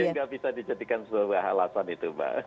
iya nggak bisa dijadikan sebuah alasan itu mbak